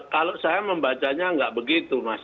kalau saya membacanya nggak begitu mas